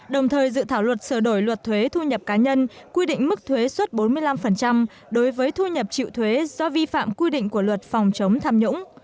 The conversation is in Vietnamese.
đồng thời dự thảo luật sửa đổi luật thuế thu nhập cá nhân quy định mức thuế suốt bốn mươi năm đối với thu nhập chịu thuế do vi phạm quy định của luật phòng chống tham nhũng